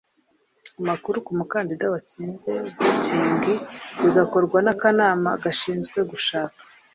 amakuru ku mukandida watsinze vetting bigakorwa n akanama gashinzwe gushaka